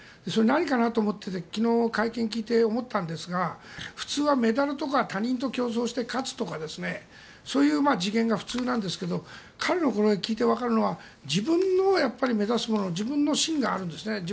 それは何かなと思ってて昨日、会見を思ったんですが普通はメダルとか他人と競争して勝つとかそういう次元が普通なんですが彼のこれを聞いてわかるのは自分の目指すもの自分の芯があるんですね。